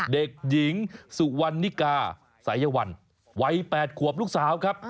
เด็กหญิงสุวรรณนิกาสายวันวัย๘ขวบลูกสาวครับ